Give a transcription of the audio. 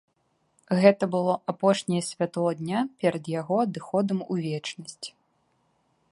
Гэта было апошняе святло дня перад яго адыходам у вечнасць.